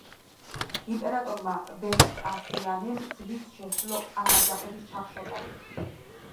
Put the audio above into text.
იმპერატორმა ვესპასიანემ ძლივს შესძლო ამ აჯანყების ჩახშობა.